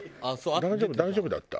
大丈夫大丈夫だった？